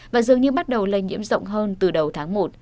và dường như bắt đầu lây nhiễm rộng hơn từ đầu tháng một